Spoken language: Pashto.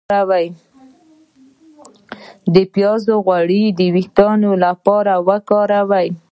د پیاز غوړي د ویښتو لپاره وکاروئ